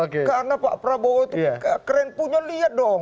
karena pak prabowo itu keren punya liat dong